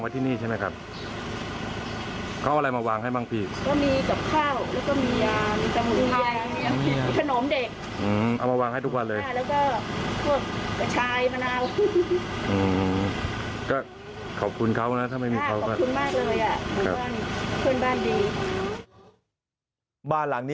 บ้านหลังนี้ก็ทุกใจนะครับ